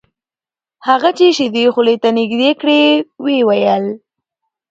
هغه چې شیدې خولې ته نږدې کړې ویې ویل: